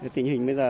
tình hình bây giờ